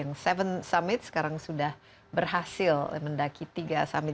yang tujuh summit sekarang sudah berhasil mendaki tiga summit